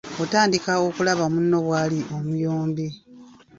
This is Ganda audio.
Otandika okulaba munno bw’ali omuyombi.